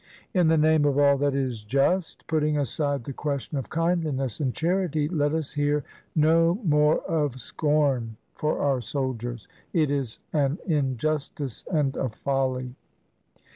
In the name of all that is just, putting aside the question of kindliness and charity, let us hear no more of scorn for our soldiers. It is an injustice and a folly.